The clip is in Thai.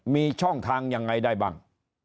มีช่องทางยังไงได้บ้าง